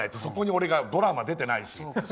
俺はドラマに出てないし。